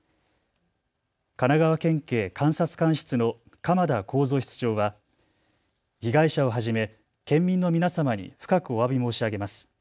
神奈川県警監察官室の鎌田耕造室長は被害者をはじめ県民の皆様に深くおわび申し上げます。